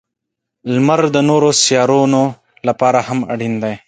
• لمر د نورو سیارونو لپاره هم اړین دی.